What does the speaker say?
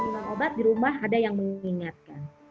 tentang obat di rumah ada yang mengingatkan